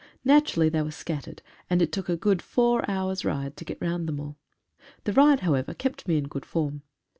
Naturally they were scat tered, and it took a good four hours ride to get round them all. The ride, however, kept me in good form.